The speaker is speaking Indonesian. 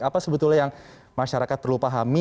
apa sebetulnya yang masyarakat perlu pahami